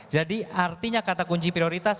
jadi artinya kata kunci prioritas